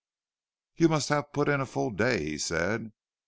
"You must have put in a full day," he said.